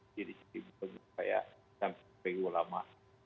jadi saya sangat berpikiran ulama